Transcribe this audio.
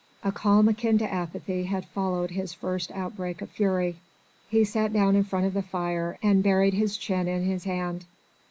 A calm akin to apathy had followed his first outbreak of fury. He sat down in front of the fire, and buried his chin in his hand.